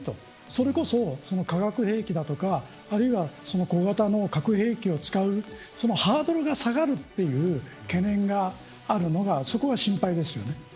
それこそ、化学兵器だとかあるいは小型の核兵器を使うそのハードルが下がるという懸念があるのが、そこは心配ですよね。